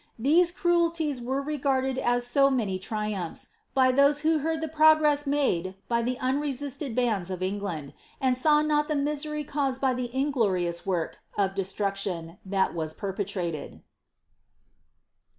These cruellies were regarded as so many triumphs, by those who heard of the progress made by the unresisted bands of England, and saw not the misery caused by the inglorious work of destruction that was perpetrated.